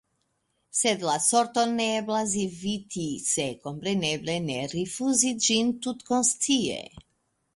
Sed la sorton ne eblas eviti – se, kompreneble, ne rifuzi ĝin tutkonscie.